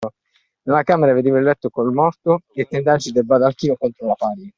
Nella camera vedeva il letto col morto e i tendaggi del baldacchino contro la parete.